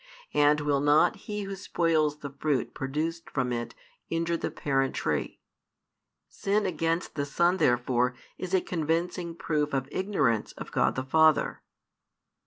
And will not he who spoils the fruit produced from it injure the parent tree? Sin against the Son therefore is a convincing proof of ignorance of God the Father.